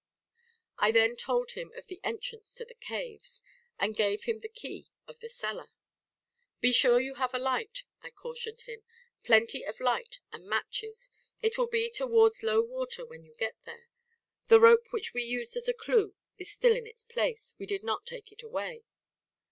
I then told him of the entrance to the caves, and gave him the key of the cellar. "Be sure you have light." I cautioned him "Plenty of light and matches. It will be towards low water when you get there. The rope which we used as a clue is still in its place; we did not take it away."